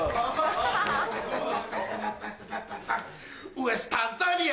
ウエスタンザニア！